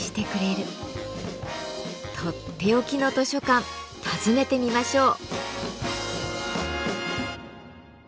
取って置きの図書館訪ねてみましょう。